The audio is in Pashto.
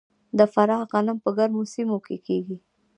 د فراه غنم په ګرمو سیمو کې کیږي.